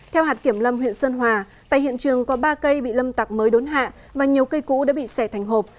theo hạt kiểm lâm huyện sơn hòa tại hiện trường có ba cây bị lâm tặc mới đốn hạ và nhiều cây cũ đã bị xẻ thành hộp